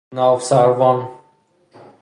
ناوسروان